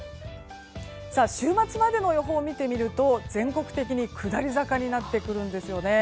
週末までの予報を見てみると全国的に下り坂になってくるんですよね。